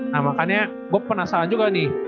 nah makanya gue penasaran juga nih